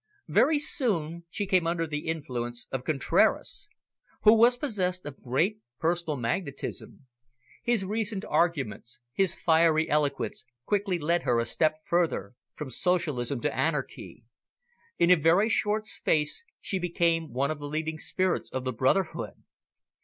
Very soon she came under the influence of Contraras, who was possessed of great personal magnetism. His reasoned arguments, his fiery eloquence, quickly led her a step further from socialism to anarchy. In a very short space she became one of the leading spirits of the brotherhood.